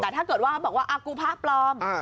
แต่ถ้าเกิดว่าบอกว่ากูพระปลอม